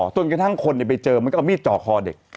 จนกระทั่งคนไปเจอมันก็เอามีดจ่อคอเด็ก